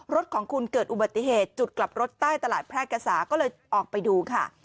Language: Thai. รถของคุณเกิดอุบัติเหตุจุดกลับรถใต้ตลาดแพร่กษาก็เลยออกไปดูค่ะ